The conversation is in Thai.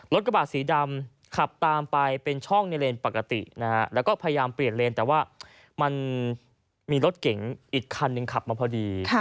กระบาดสีดำขับตามไปเป็นช่องในเลนปกตินะฮะแล้วก็พยายามเปลี่ยนเลนแต่ว่ามันมีรถเก๋งอีกคันหนึ่งขับมาพอดี